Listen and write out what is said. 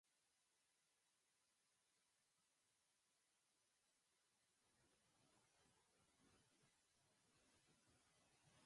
Hegoaldeko zuhaitz nagusiak pinuak dira; iparraldean, aldiz, urkiak dira nagusi.